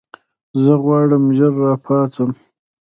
زه غواړم ژر راپاڅم.